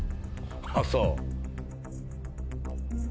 あっそう。